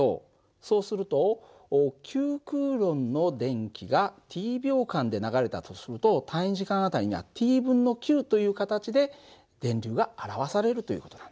そうするとｑＣの電気がｔ秒間で流れたとすると単位時間あたりがという形で電流が表されるという事なんだ。